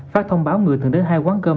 phát thông báo người từng đến hai quán cơm